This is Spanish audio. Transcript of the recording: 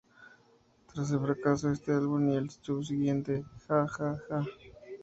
Tras el fracaso de este álbum y el subsiguiente, "Ha!-Ha!-Ha!